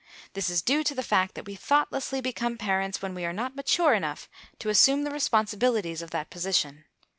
This is due to the fact that we thoughtlessly become parents when we are not mature enough to assume the responsibilities of that position.